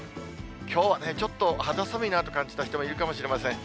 きょうはね、ちょっと肌寒いなと感じた人、いるかもしれません。